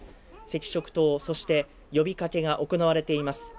赤色灯そして呼びかけが行われています。